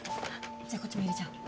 じゃあこっちも入れちゃおう。